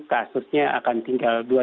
kasusnya akan tinggal